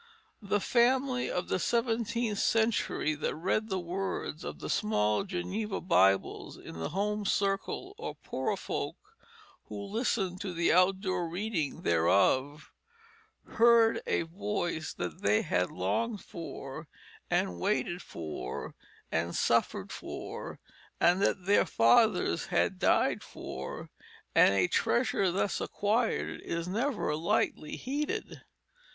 The family of the seventeenth century that read the words of the small Geneva Bibles in the home circle, or poorer folk who listened to the outdoor reading thereof, heard a voice that they had longed for and waited for and suffered for, and that their fathers had died for, and a treasure thus acquired is never lightly heeded.